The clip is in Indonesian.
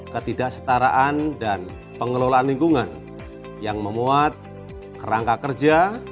ketidaksetaraan dan pengelolaan lingkungan yang memuat kerangka kerja